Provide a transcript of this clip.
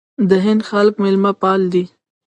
د هند خلک میلمه پال دي.